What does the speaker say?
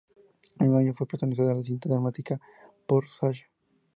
El mismo año protagonizó la cinta dramática "Pour Sasha".